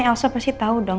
elsa pasti tau dong